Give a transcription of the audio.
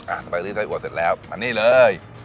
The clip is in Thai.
อะสไพรซีไส้หัวเสร็จแล้วมานี่เลย